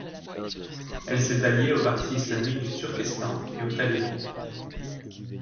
Elle s'est alliée au Parti islamique du Turkestan et aux Talibans.